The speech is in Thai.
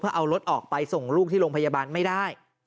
เอารถออกไปส่งลูกที่โรงพยาบาลไม่ได้